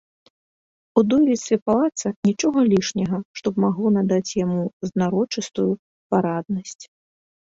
У дойлідстве палаца нічога лішняга, што б магло надаць яму знарочыстую параднасць.